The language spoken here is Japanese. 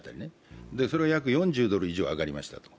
それを約４０億ドル以上上がりましたと。